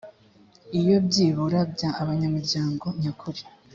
iyo byibura bya abanyamuryango nyakuri